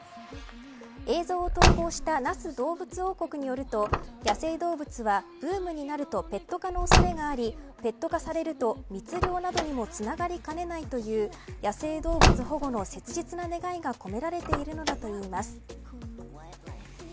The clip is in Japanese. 映像を投稿した那須どうぶつ王国によると野生動物はブームになるとペット化の恐れがありペット化されると密漁などにつながりかねないという野生動物保護の切実な願いが込められているのだといいます。